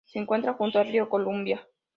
Se encuentra junto al río Columbia.